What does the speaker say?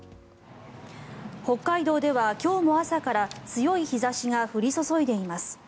北海道では今日も朝から強い日差しが降り注いでいます。